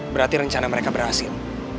berarti rencana mereka berhasil